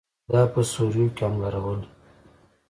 دا په سوریو کې انبارول.